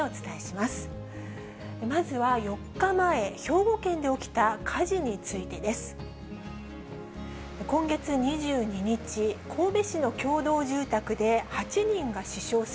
まずは４日前、兵庫県で起きた火事についてです。